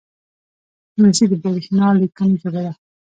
انګلیسي د برېښنا لیکونو ژبه ده